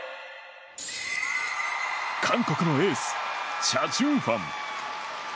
韓国のエースチャ・ジュンファン。